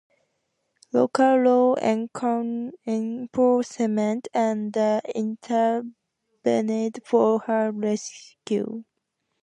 Local law enforcement and the intervened for her rescue.